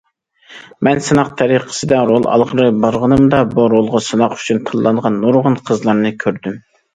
مەن سىناق تەرىقىسىدە رول ئالغىلى بارغىنىمدا بۇ رولغا سىناق ئۈچۈن تاللانغان نۇرغۇن قىزلارنى كۆردۈم.